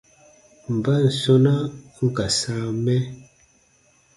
Mban sɔ̃na n ka sãa mɛ ?